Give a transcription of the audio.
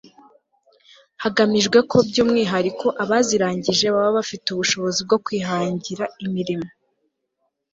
hagamijweko by'umwihariko abazirangije baba bafite ubushobozi bwo kwihangira imirimo